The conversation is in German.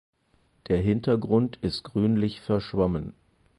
Der Hintergrund ist grünlich verschwommen.